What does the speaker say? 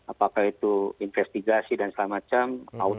apakah itu investigasi dan segala macam